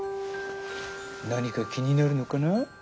何か気になるのかな？